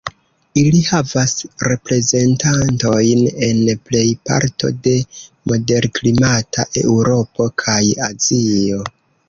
Ili havas reprezentantojn en plej parto de moderklimata Eŭropo kaj Azio.